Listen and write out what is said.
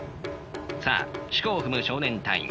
さあしこを踏む少年隊員。